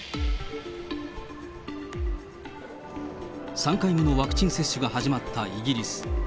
３回目のワクチン接種が始まったイギリス。